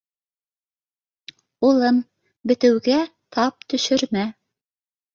— Улым, бетеүгә тап төшөрмә!